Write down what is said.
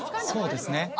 そうですね。